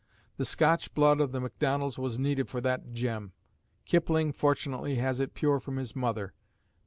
The Scotch blood of the MacDonalds was needed for that gem; Kipling fortunately has it pure from his mother.